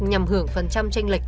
nhằm hưởng phần trăm tranh lệch